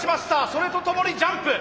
それとともにジャンプ。